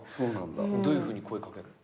どういうふうに声掛ける？